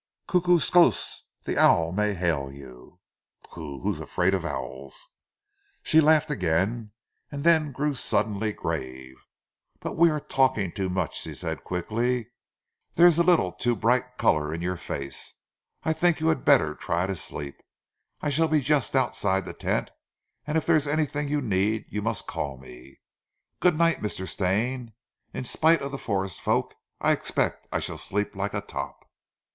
"Kookooskoss, the owl may hail you." "Pooh! Who's afraid of owls?" She laughed again, and then grew suddenly grave. "But we are talking too much," she said quickly. "There is a little too bright colour in your face. I think you had better try to sleep. I shall be just outside the tent, and if there is anything you need you must call me. Good night, Mr. Stane. In spite of the forest folk, I expect I shall sleep like a top."